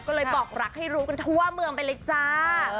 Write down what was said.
ก็เลยบอกรักให้รู้กันทั่วเมืองไปเลยจ้า